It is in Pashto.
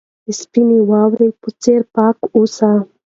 د سپینې واورې په څېر پاک اوسئ.